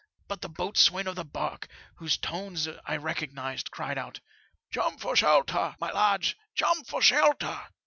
But the boatswain of the barque, whose tones I recognized, cried out, * Jump for shelter, my lads ! jump for shelter